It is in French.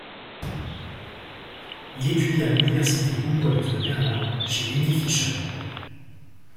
Il étudia à l'Université Humboldt de Berlin chez Emil Fischer.